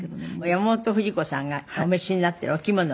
山本富士子さんがお召しになっているお着物は。